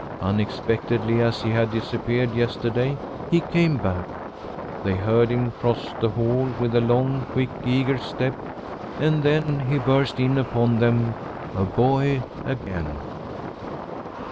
Unexpectedly as he had disappeared yesterday, he came back. They heard him cross the hall with a long, quick, eager step, and then he burst in upon them, a boy again.